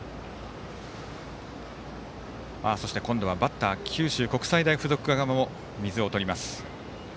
そして、今度はバッター九州国際大付属側も水をとります。